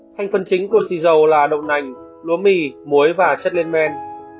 thanh phân chính của xì dầu là đậu nành lúa mì muối và chất lên men